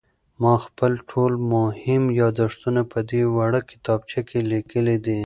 ما خپل ټول مهم یادښتونه په دې وړه کتابچه کې لیکلي دي.